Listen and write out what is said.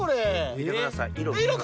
見てください色。